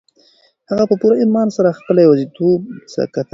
هغه په پوره ارمان سره خپله یوازیتوب ته کتل.